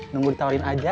nunggu ditawarin aja